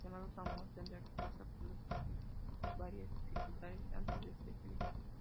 Sin embargo, su amor tendrá que pasar por varias dificultades antes de ser felices.